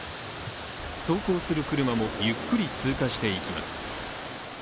走行する車もゆっくり通過していきます。